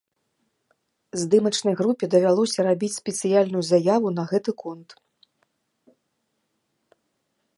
Здымачнай групе давялося рабіць спецыяльную заяву на гэты конт.